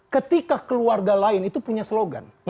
ketika keluarga lain itu punya slogan